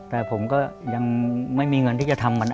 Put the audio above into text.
แต่ผมก็ยังไม่มีเงินที่จะทำมัน